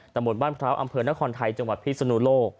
บนบ้านพร้าวอำเภอนครไทยจังหวัดพิศนุโลก